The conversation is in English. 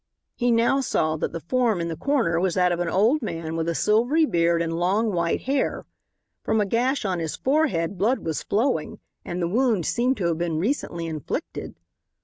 He now saw that the form in the corner was that of an old man with a silvery beard and long white hair. From a gash on his forehead blood was flowing, and the wound seemed to have been recently inflicted.